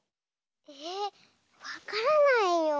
ええわからないよ。